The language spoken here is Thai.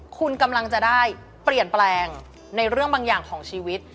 คุณกำลังจะได้เปลี่ยนแปลงในเรื่องบางอย่างของชีวิต